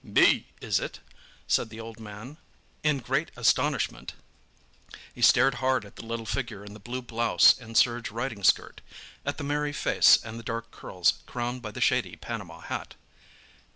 "'Me', is it?" said the old man, in great astonishment. He stared hard at the little figure in the blue blouse and serge riding skirt—at the merry face and the dark curls crowned by the shady Panama hat.